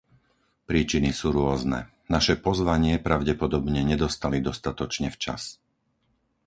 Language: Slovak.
Príčiny sú rôzne. Naše pozvanie pravdepodobne nedostali dostatočne včas.